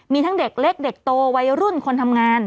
มีทั้งเด็กเล็กเด็กโตวัยรุ่นคนทำงาน